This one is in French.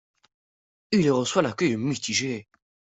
Il y reçoit un accueil mitigé.